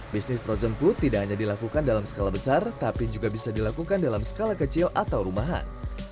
bisnis frozen food tidak hanya dilakukan dalam skala besar tapi juga bisa dilakukan dalam skala kecil atau rumahan